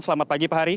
selamat pagi pak hari